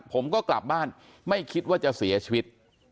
ผมก็กลับบ้านไม่คิดว่าจะเสียชีวิต